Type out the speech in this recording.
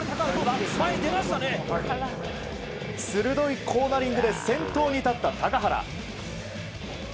鋭いコーナリングで先頭に立った高原。